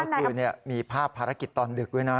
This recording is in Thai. คืนมีภาพภารกิจตอนดึกด้วยนะ